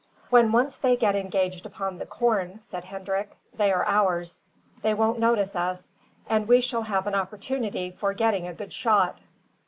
"When once they get engaged upon the corn," said Hendrik, "they are ours. They won't notice us, and we shall have an opportunity for getting a good shot."